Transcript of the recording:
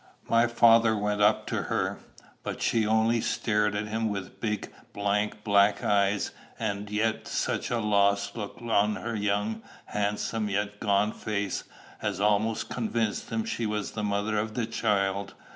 My father went up to her; but she only stared at him with big blank black eyes, and yet such a lost look on her young, handsome, yet gaunt face, as almost convinced him she was the mother of the child.